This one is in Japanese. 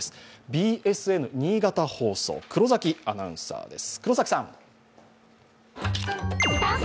ＢＳＮ新潟放送、黒崎アナウンサーです。